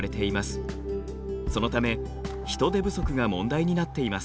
そのため人手不足が問題になっています。